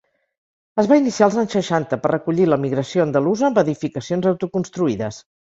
Es va iniciar als anys seixanta per recollir l'emigració andalusa amb edificacions auto construïdes.